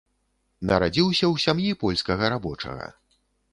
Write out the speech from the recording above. Нарадзіўся ў сям'і польскага рабочага.